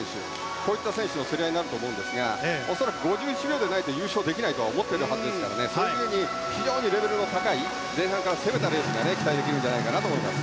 こういった選手の競り合いになるかと思うんですが恐らく５１秒台じゃないと優勝できないと思っていますから非常にレベルの高い前半から攻めたレースが期待できると思います。